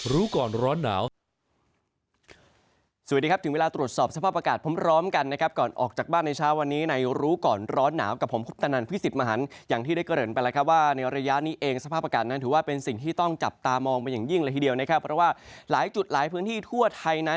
รู้ก่อนร้อนหนาวสวัสดีครับถึงเวลาตรวจสอบสภาพอากาศพร้อมพร้อมกันนะครับก่อนออกจากบ้านในเช้าวันนี้ในรู้ก่อนร้อนหนาวกับผมพุทธนันพิสิทธิ์มหันอย่างที่ได้เกริ่นไปแล้วครับว่าในระยะนี้เองสภาพอากาศนั้นถือว่าเป็นสิ่งที่ต้องจับตามองเป็นอย่างยิ่งเลยทีเดียวนะครับเพราะว่าหลายจุดหลายพื้นที่ทั่วไทยนั้น